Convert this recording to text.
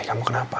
eh kamu kenapa